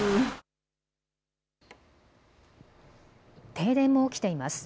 停電も起きています。